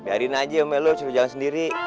biarin aja om lai lo seru jalan sendiri